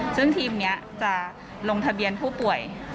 ซึ่งทีมนี้จะลงทะเบียนผู้ป่วย